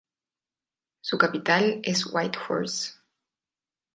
Su capital es Whitehorse.